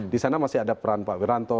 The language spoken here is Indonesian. disana masih ada peran pak beranto